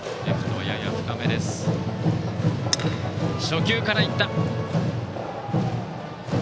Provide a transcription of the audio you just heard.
初球からいった。